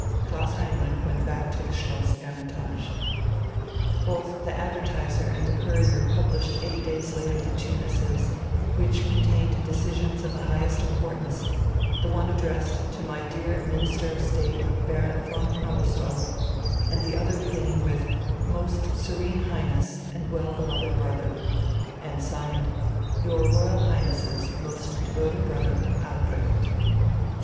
Klaus Heinrich went back to the Schloss "Hermitage." Both the Advertiser and the Courier published eight days later the two missives, which contained decisions of the highest importance, the one addressed to "My dear Minister of State, Baron von Knobelsdorff," and the other beginning with "Most Serene Highness and well beloved brother," and signed "Your Royal Highness's most devoted brother Albrecht."